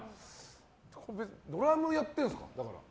ドラムやってるんですか？